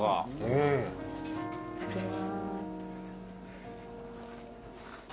いただきます。